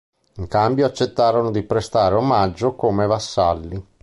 In cambio accettarono di prestare omaggio come vassalli.